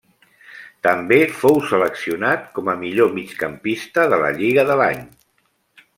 També fou seleccionat com a millor migcampista de la lliga de l'any.